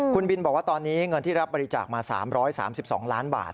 คุณบินบอกว่าตอนนี้เงินที่รับบริจาคมา๓๓๒ล้านบาท